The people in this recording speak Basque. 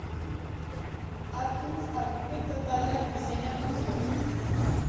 Atkins arkitekto taldeak diseinatu zuen.